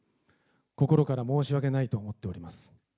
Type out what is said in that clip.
心から申し訳ないと思っております。